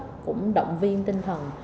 giám đốc cũng động viên tinh thần